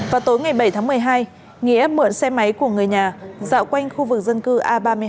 vào tối ngày bảy tháng một mươi hai nghĩa mượn xe máy của người nhà dạo quanh khu vực dân cư a ba mươi hai